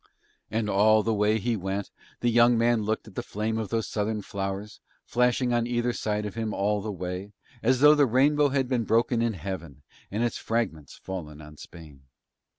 And all the way as he went the young man looked at the flame of those southern flowers, flashing on either side of him all the way, as though the rainbow had been broken in Heaven and its fragments fallen on Spain.